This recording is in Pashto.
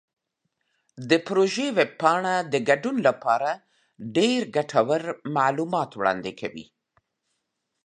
د پروژې ویب پاڼه د ګډون لپاره ډیرې مفیدې معلومات وړاندې کوي.